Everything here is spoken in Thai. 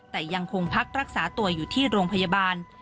แต่ยังคงพักรักษาตัวอยู่ที่โรงพยาบาล